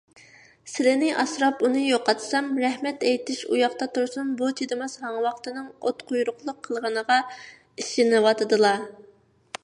سىلىنى ئاسراپ، ئۇنى يوقاتسام، رەھمەت ئېيتىش ئۇياقتا تۇرسۇن، بۇ چىدىماس ھاڭۋاقتىنىڭ ئوتقۇيرۇقلۇق قىلغىنىغا ئىشىنىۋاتىدىلا.